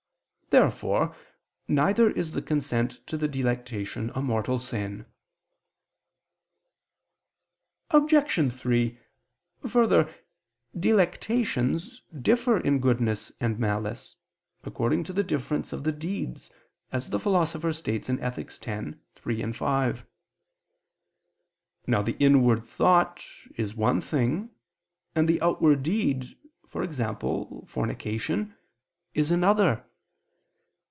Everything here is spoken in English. Therefore neither is the consent to the delectation a mortal sin. Obj. 3: Further, delectations differ in goodness and malice, according to the difference of the deeds, as the Philosopher states (Ethic. x, 3, 5). Now the inward thought is one thing, and the outward deed, e.g. fornication, is another.